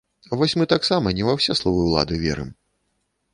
Вось мы таксама не ва ўсе словы улады верым!